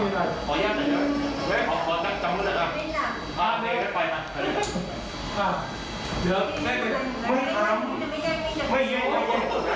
เข้าเลย